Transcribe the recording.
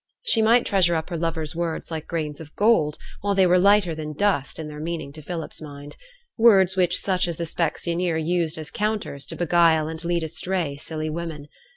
She might treasure up her lover's words like grains of gold, while they were lighter than dust in their meaning to Philip's mind; words which such as the specksioneer used as counters to beguile and lead astray silly women.